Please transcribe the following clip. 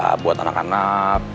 ya buat anak anak